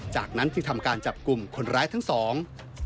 จากนั้นที่ทำการจับกลุ่มคนร้ายทั้งสอง